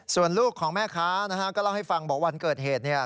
ส่วนลูกของแม่ค้านะฮะก็เล่าให้ฟังบอกวันเกิดเหตุเนี่ย